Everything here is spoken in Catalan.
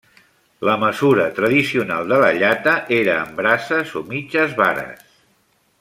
La mesura tradicional de la llata era en braces o mitges vares.